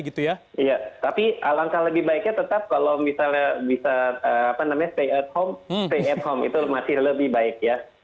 iya tapi alangkah lebih baiknya tetap kalau misalnya bisa stay at home stay at home itu masih lebih baik ya